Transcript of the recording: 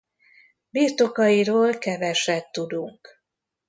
Birtokairól keveset tudunk.